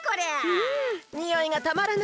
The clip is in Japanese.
んにおいがたまらないね。